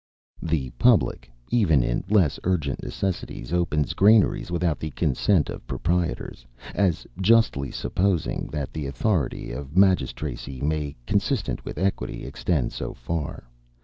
The public, even in less urgent necessities, opens granaries without the consent of proprietors; as justly supposing, that the authority of magistracy may, consistent with equity, extend so far.